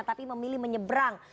tapi memilih menyebrang